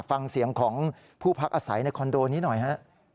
ฟังเสียงของผู้พักอาศัยในคอนโดนี้หน่อยฮะ